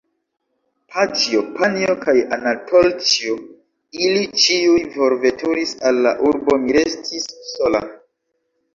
Paĉjo, Panjo kaj Anatolĉjo, ili ĉiuj forveturis al la urbo, mi restis sola.